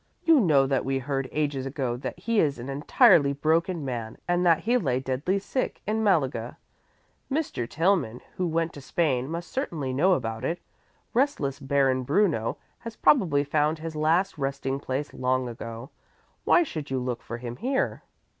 "You know that we heard ages ago that he is an entirely broken man and that he lay deadly sick in Malaga. Mr. Tillman, who went to Spain, must certainly know about it. Restless Baron Bruno has probably found his last resting place long ago. Why should you look for him here?"